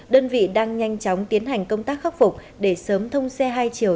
đơn vị đang nhanh chóng tiến hành công tác khắc phục để sớm thông xe hai chiều